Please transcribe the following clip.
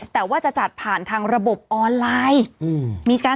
แต่ว่าจะจัดผ่านทางระบบออนไลน์